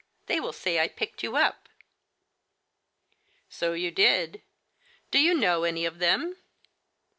They will say I picked you up !"" So you did. Do you know any of them